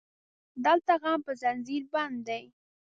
دلته غم په زنځير بند دی